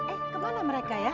eh kemana mereka ya